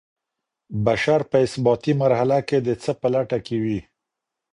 بشر په اثباتي مرحله کي د څه په لټه کي وي؟